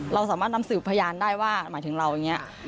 เราสามารถนำสืบพยานได้ว่าหมายถึงเราอย่างนี้